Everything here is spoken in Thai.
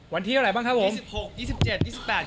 วันที่อะไรบ้างครับผม